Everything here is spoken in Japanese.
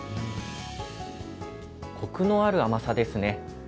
こくのある甘さですね。